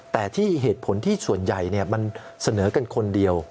แต่ที่เหตุผลที่ส่วนใหญ่มันเสนอกันคนเดียว